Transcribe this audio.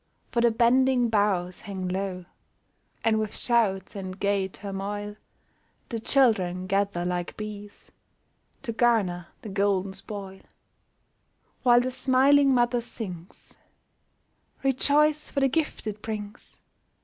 For the bending boughs hang low ; And with shouts and gay turmoil The children gather like bees To garner the golden spoil ; While the smiling mother sings, " Rejoice for the gift it brings